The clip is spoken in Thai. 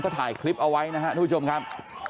เขาถ่ายคลิปเอาไว้นะฮะทุกชมครับ